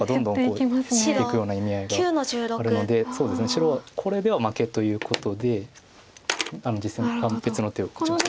白はこれでは負けということで実戦別の手を打ちました。